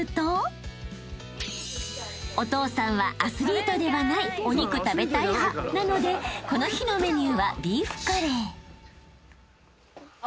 ［お父さんはアスリートではないお肉食べたい派なのでこの日のメニューはビーフカレー］